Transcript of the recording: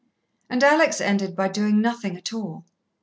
And Alex ended by doing nothing at all.